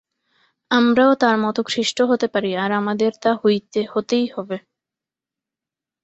আমরাও তাঁর মত খ্রীষ্ট হতে পারি, আর আমাদের তা হতেই হবে।